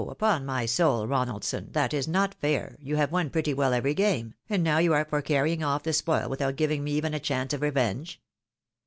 upon my soul, Ronaldson! That is not fair, you have won pretty well every game, and now you are for carrying off the spoU without giving me even a chance of revenge."